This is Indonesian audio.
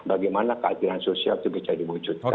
bagaimana keadilan sosial itu bisa diwujudkan